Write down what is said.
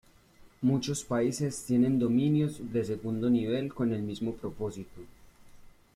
Muchos países tienen dominios de segundo nivel con el mismo propósito.